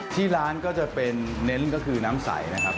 ที่ร้านก็จะเป็นเน้นก็คือน้ำใสนะครับ